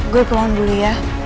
gue kemauin dulu ya